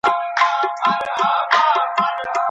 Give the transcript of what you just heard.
موږ چيري د خپلو ستونزو لپاره مناسبي او سمي حل لاري پیداکوو؟